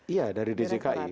iya dari djki